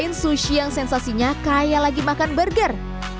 kita coba sushi yang sensasinya kayak lagi makan burger